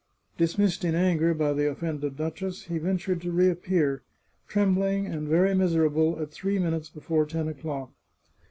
Dismissed in anger by the offended duchess, he ventured to reappear, trembling and very miserable, at three minutes before ten o'clock.